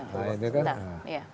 nah ini kan ya